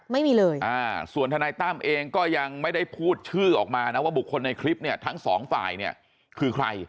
ไม่มีเลยส่วนทนายตั้มเองก็ยังไม่ได้พูดชื่อออกมานะว่าบุคคลในคลิปเนี่ยทั้งสองฝ่ายเนี่ยคือใคร